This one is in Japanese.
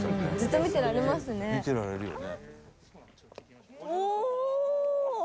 見てられるよね。